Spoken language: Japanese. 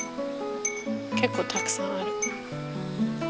結構たくさんある。